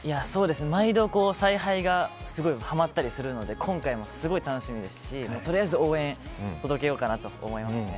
毎度、采配がすごいはまったりするので今回もすごい楽しみですしとりあえず応援を届けようかなと思いますね。